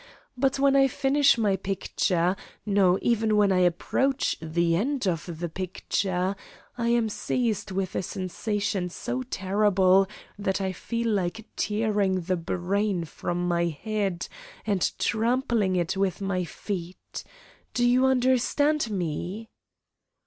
But when I finish my picture no, even when I approach the end of the picture, I am seized with a sensation so terrible that I feel like tearing the brain from my head and trampling it with my feet. Do you understand me?"